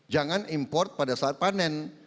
jangan import pada saat panen